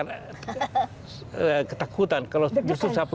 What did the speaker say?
saya ketakutan kalau misalnya saya pakai kertas